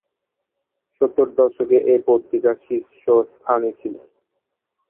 সত্তর দশকে এ পত্রিকা শীর্ষ স্থানে ছিলো।